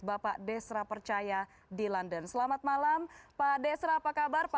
bapak desra percaya di london selamat malam pak desra apa kabar pak